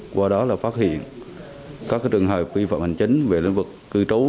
qua đó là phát hiện các trường hợp vi phạm hành chính về lĩnh vực cư trú